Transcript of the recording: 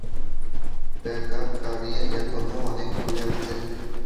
Backup গাড়ি এখনো অনেক দুরে আছে।